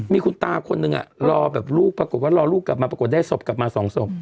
มีคุณตาคนหนึ่งรอลูกปรากฎก็รอลูกปรากฎได้สบกลับมาสองสม